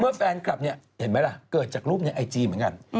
แฟนคลับเนี่ยเห็นไหมล่ะเกิดจากรูปในไอจีเหมือนกัน